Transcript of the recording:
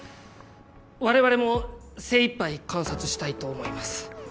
我々も精一杯観察したいと思います。